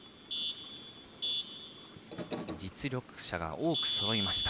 実力者が多くそろいました